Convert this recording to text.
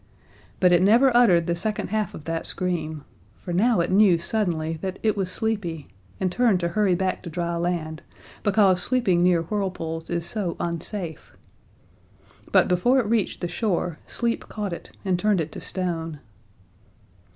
But it never uttered the second half of that scream, for now it knew suddenly that it was sleepy it turned to hurry back to dry land, because sleeping near whirlpools is so unsafe. But before it reached the shore sleep caught it and turned it to stone.